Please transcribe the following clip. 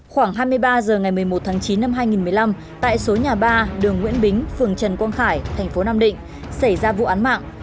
khoảng hai mươi ba h ngày một mươi một tháng chín năm hai nghìn một mươi năm tại số nhà ba đường nguyễn bính phường trần quang khải thành phố nam định xảy ra vụ án mạng